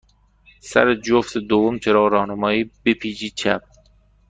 سر جفت دوم چراغ راهنمایی، بپیچید چپ.